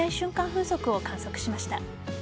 風速を観測しました。